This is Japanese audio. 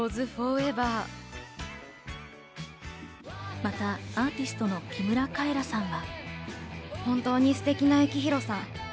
またアーティストの木村カエラさんは。